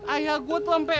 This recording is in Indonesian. ayah gua tuh sampe